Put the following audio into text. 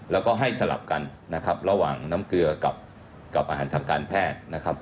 แล้วก็ให้สลับกันนะครับระหว่างน้ำเกลือกับอาหารทางการแพทย์นะครับ